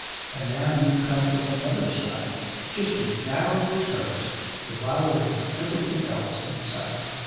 And now you come with another side, just as narrow as hers, devouring everything else in sight!